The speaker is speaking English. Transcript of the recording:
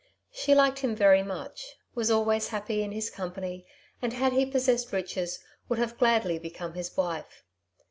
She liked him very much, was always happy in his company, and had he possessed riches would have gladly become his wife.